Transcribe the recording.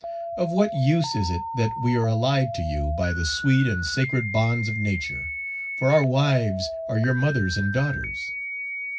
Of what use is it that we are allied to you by the sweet and sacred bonds of nature, for our wives are your mothers and daughters?